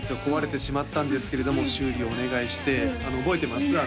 壊れてしまったんですけれども修理をお願いして覚えてます？